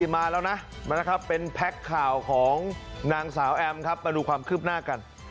มาแล้วนะเป็นแพกข่าวของนางสาวแอมมาดูความคึมหน้ากัน